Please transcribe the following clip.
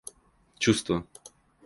чувство